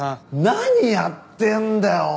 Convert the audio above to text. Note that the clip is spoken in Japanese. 何やってんだよお前！